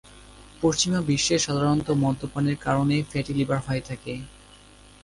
পশ্চিমা বিশ্বে সাধারণত মদ্যপানের কারণে ফ্যাটি লিভার হয়ে থাকে।